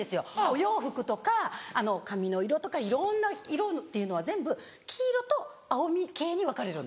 お洋服とか髪の色とかいろんな色っていうのは全部黄色と青み系に分かれるんです。